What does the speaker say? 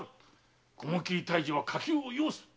雲切退治は火急を要す。